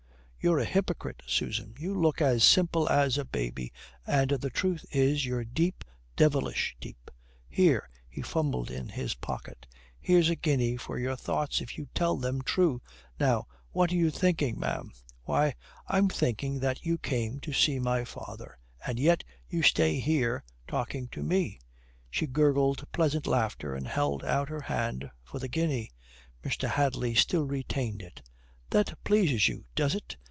"You're a hypocrite, Susan. You look as simple as a baby, and the truth is you're deep, devilish deep. Here!" He fumbled in his pocket. "Here's a guinea for your thoughts if you tell them true. Now what are you thinking, ma'am?" "Why, I am thinking that you came to see my father, and yet you stay here talking to me;" she gurgled pleasant laughter and held out her hand for the guinea. Mr. Hadley still retained it. "That pleases you, does it?"